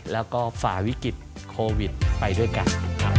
แล้วก็ฝ่าวิกฤตโควิดไปด้วยกันครับ